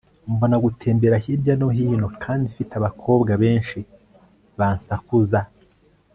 mbona gutembera hirya no hino kandi mfite abakobwa benshi bansakuza